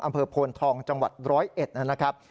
อำเภอโพนทองจังหวัด๑๐๑นะครับ